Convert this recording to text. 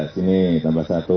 sini tambah satu